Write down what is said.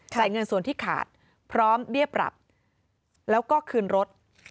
เงินส่วนที่ขาดพร้อมเบี้ยปรับแล้วก็คืนรถ